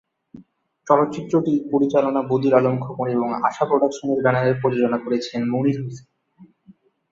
চলচ্চিত্রটি পরিচালনা বদিউল আলম খোকন এবং আশা প্রোডাকশনের ব্যানারে প্রযোজনা করেছেন মনির হোসেন।